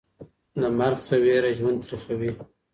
له مرګ څخه ویره ژوند تریخوي.